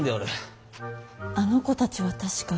あの子たちは確か。